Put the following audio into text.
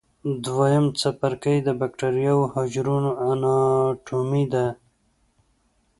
دویم څپرکی د بکټریاوي حجرو اناټومي ده.